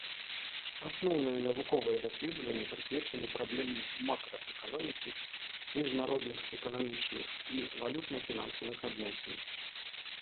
Асноўныя навуковыя даследаванні прысвечаны праблемам макраэканомікі, міжнародных эканамічных і валютна-фінансавых адносін.